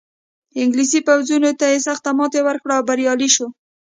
انګلیسي پوځونو ته یې سخته ماتې ورکړه او بریالی شو.